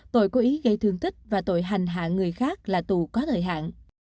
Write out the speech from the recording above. tội cố ý gây thương tích và tội hành hạ người khác là tù có thời hạn